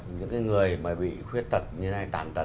những cái người mà bị khuyết tật